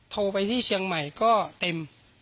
โทรไปที่เชียงใหม่ก็เต็ม